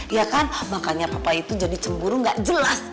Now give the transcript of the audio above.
ya kan makanya papa itu jadi cemburu gak jelas